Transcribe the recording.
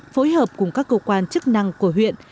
phối hợp cùng các cơ quan chức năng của huyện